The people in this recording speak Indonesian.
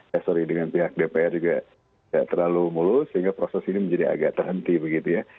ya sorry dengan pihak dpr juga tidak terlalu mulus sehingga proses ini menjadi agak terhenti begitu ya